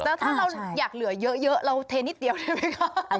แล้วถ้าเราอยากเหลือเยอะเราเทนิดเดียวได้ไหมคะ